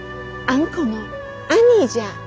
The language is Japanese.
あんこのアニーじゃ。